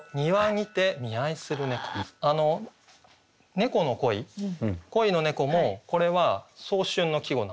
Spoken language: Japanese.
「猫の恋」「恋の猫」もこれは早春の季語なんです。